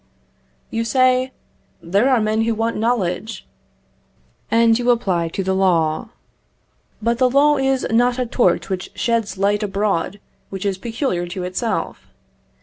You say, "There are men who want knowledge," and you apply to the law. But the law is not a torch which sheds light abroad which is peculiar to itself.